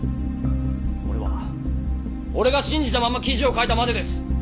俺は俺が信じたまま記事を書いたまでです！